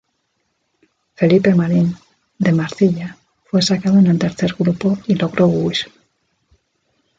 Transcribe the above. Felipe Marín, de Marcilla fue sacado en el tercer grupo y logró huir.